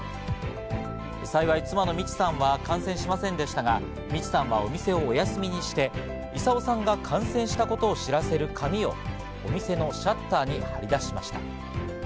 幸い妻の三千さんは感染しませんでしたが三千さんはお店をお休みにして、功さんが感染したことを知らせる紙をお店のシャッターに貼り出しました。